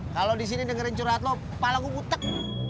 kalau di sini dengerin curhat lo kepala gue butek